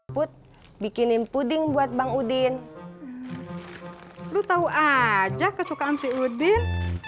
put bikinin puding buat bang udin terus tahu aja kesukaan si udin